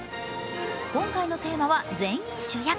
今回のテーマは全員主役。